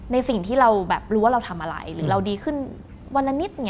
ในสิ่งที่เรารู้ว่าเราทำอะไรหรือเราดีขึ้นวันละนิด